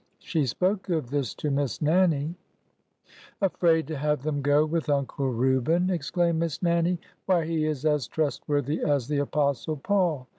She spoke of this to Miss Nannie. 64 ORDER NO. 11 " Afraid to have them go with Uncle Reuben ! ex claimed Miss Nannie. '' Why, he is as trustworthy as the Apostle Paul